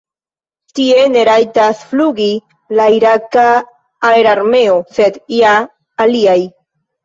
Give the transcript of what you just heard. Tie ne rajtas flugi la iraka aerarmeo, sed ja aliaj.